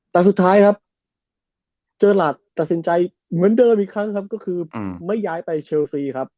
แต่สุดท้ายครับเจอหลาดตัดสินใจเหมือนเดิมอีกครั้งครับก็คือไม่ย้ายไปเชลซีครับ